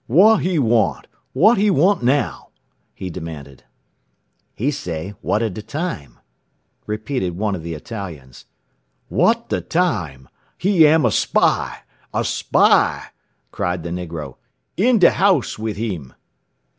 "W'at he want? W'at he want now?" he demanded. "He say, whata da time," repeated one of the Italians. "W'at de time? He am a spy! A spy!" cried the negro. "In de house with him!"